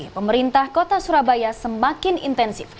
pemerintah kota surabaya semakin intensif